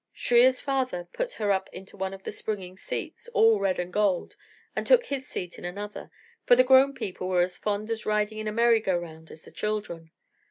Shriya's father put her up into one of the swinging seats, all red and gold, and took his seat in another, for the grown people were as fond of riding in a merry go round as the children.